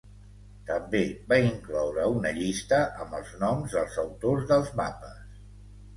També va incloure una llista amb els noms dels autors dels mapes.